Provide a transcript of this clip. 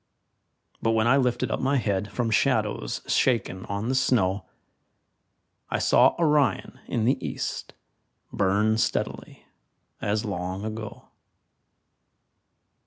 But when I lifted up my head From shadows shaken on the snow, I saw Orion in the east Burn steadily as long ago.